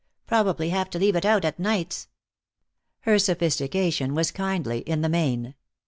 Probably have to leave it out at nights." Her sophistication was kindly in the main.